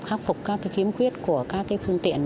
khắc phục các kiếm quyết của các phương tiện